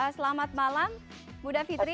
selamat malam muda fitri